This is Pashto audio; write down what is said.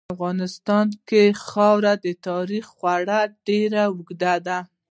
په افغانستان کې د خاورې تاریخ خورا ډېر اوږد دی.